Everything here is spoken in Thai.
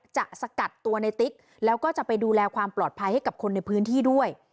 สกัดตัวในติ๊กแล้วก็จะไปดูแลความปลอดภัยให้กับคนในพื้นที่ด้วย